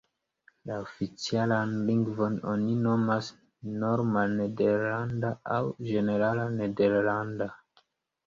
La oficialan lingvon oni nomas Norma Nederlanda, aŭ Ĝenerala Nederlanda.